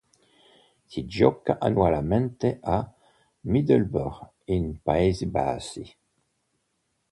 Si gioca annualmente a Middelburg in Paesi Bassi.